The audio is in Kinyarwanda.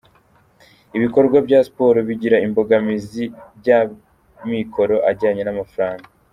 ibikorwa bya siporo bigira imbogamizi by’amikoro ajyanye n’amafaranga.